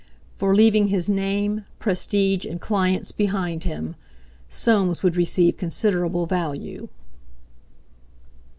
For leaving his name, prestige, and clients behind him, Soames would receive considerable value.